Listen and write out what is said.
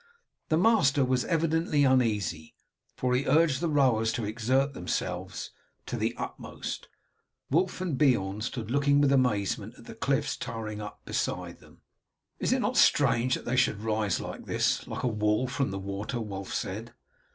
The master was evidently uneasy, for he urged the rowers to exert themselves to the utmost. Wulf and Beorn stood looking with amazement at the cliffs towering up beside them. "Is it not strange that they should rise like this like a wall from the water?" Wulf said.